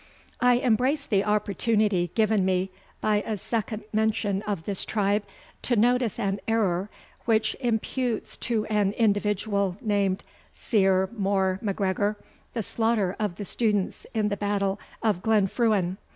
[I embrace the opportunity given me by a second mention of this tribe, to notice an error, which imputes to an individual named Ciar Mohr MacGregor, the slaughter of the students at the battle of Glenfruin.